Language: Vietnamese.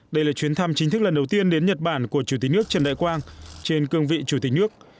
đây là chuyến thăm chính thức lần đầu tiên đến nhật bản của chủ tịch nước trần đại quang trên cương vị chủ tịch nước